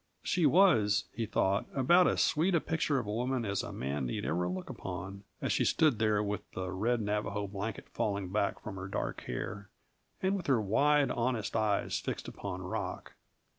She was, he thought, about as sweet a picture of a woman as a man need ever look upon, as she stood there with the red Navajo blanket falling back from her dark hair, and with her wide, honest eyes fixed upon Rock.